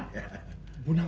saya sibuk sekali